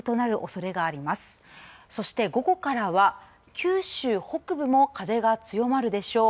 そして午後からは九州北部も風が強まるでしょう。